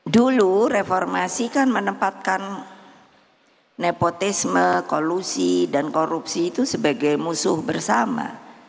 dulu reformasi kan menempatkan nepotisme kolusi dan korupsi itu sebagai musuh bersama